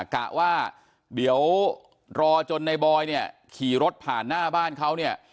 กะว่าเดี๋ยวรอจนในบอยเนี่ยขี่รถผ่านหน้าบ้านเขาเนี่ย